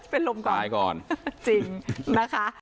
เป็นลมก่อนตายก่อนจริงนะคะ